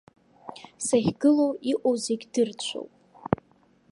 Сахьгылоу иҟоу зегь дырцәоуп.